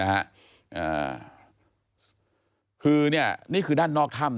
อัฐสุทธิ์ที่นี่ก็คือด้านนอกท่ำ